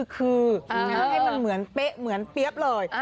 คือให้มันเหมือนเป๊ะเหมือนเปี๊ยบเลย